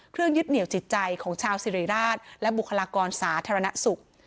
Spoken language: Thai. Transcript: ยึดเหนียวจิตใจของชาวสิริราชและบุคลากรสาธารณสุข